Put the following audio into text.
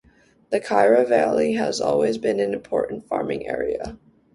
The Chira valley has always been an important farming area.